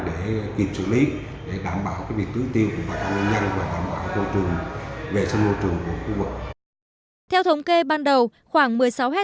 để kịp xử lý để đảm bảo vị trí tiêu của các nguyên nhân và đảm bảo vệ sinh ngôi trường của khu vực